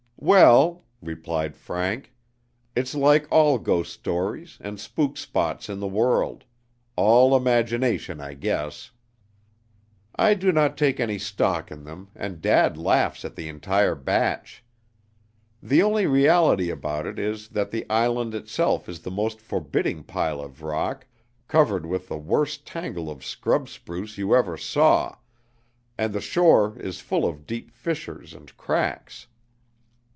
"Well," replied Frank, "it's like all ghost stories and spook spots in the world; all imagination, I guess. I do not take any stock in them, and dad laughs at the entire batch. The only reality about it is that the island itself is the most forbidding pile of rock, covered with the worst tangle of scrub spruce you ever saw, and the shore is full of deep fissures and cracks.